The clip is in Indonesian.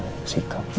tapi aku berarti